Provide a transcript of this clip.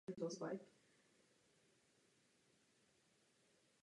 Následují další kroky výrobního postupu.